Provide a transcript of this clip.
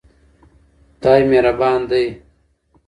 خدای مهربان دی.